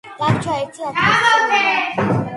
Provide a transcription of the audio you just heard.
დაგვრჩა ერთი ათასეული